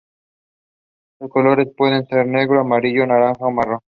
Sus colores pueden ser negro, amarillo, naranja o marrón.